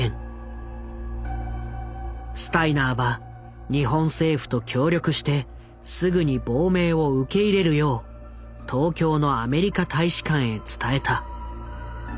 スタイナーは日本政府と協力してすぐに亡命を受け入れるよう東京のアメリカ大使館へ伝えた。